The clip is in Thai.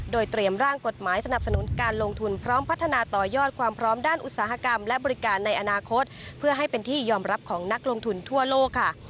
โดยเตรียมร่างกฎหมายสนับสนุนการลงทุนพร้อมพัฒนาต่อยอดความพร้อมด้านอุตสาหกรรมและบริการในอนาคตเพื่อให้เป็นที่ยอมรับของนักลงทุนทั่วโลกค่ะ